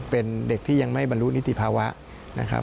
เป็นเด็กที่ยังไม่บรรลุนิติภาวะนะครับ